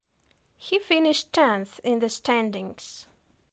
He finished tenth in the standings.